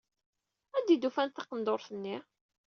Anda ay d-ufant taqendurt-nni?